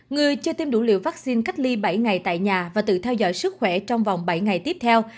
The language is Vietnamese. người chưa tiêm đủ liều vaccine cách ly bảy ngày tại nhà và tự theo dõi sức khỏe trong vòng bảy ngày tiếp theo